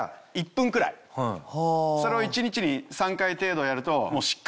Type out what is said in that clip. それを一日に３回程度やると。